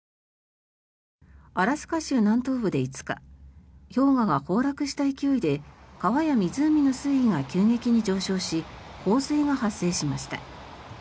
アラスカ州南東部で５日氷河が崩落した勢いで川や湖の水位が急激に上昇し洪水が発生しました。